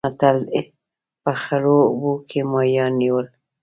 متل دی: په خړو اوبو کې ماهیان نیول.